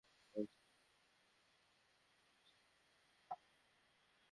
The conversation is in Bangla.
অবস্থার অবনতি হওয়ায় প্রণবকে রাতেই খুলনার একটি বেসরকারি হাসপাতালে পাঠানো হয়।